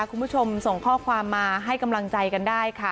คุณผู้ชมส่งข้อความมาให้กำลังใจกันได้ค่ะ